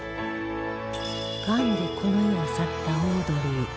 がんでこの世を去ったオードリー